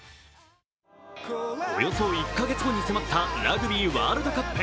およそ１か月後に迫ったラグビーワールドカップ。